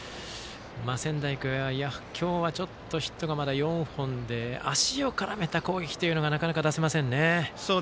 仙台育英は今日は、ちょっとヒットがまだ４本で足を絡めた攻撃というのがなかなか出せませんね。